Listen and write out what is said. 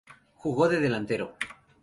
Jugo de delantero.